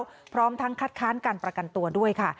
พร้อมทั้งคัดค้านการประกันตัวด้วยค่ะ